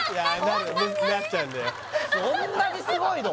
そんなにすごいの？